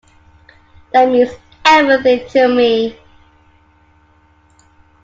That means everything to me.